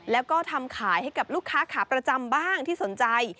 แล้วก็ทำขายให้กับลูกค้าขาประจำบ้างที่สนใจ